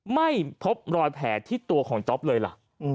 ไม่พบรอยแผลที่ตัวของจ๊อปเลยล่ะ